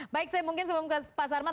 baik saya mungkin sebelum pak salman